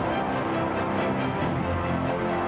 di jalan jalan menuju indonesia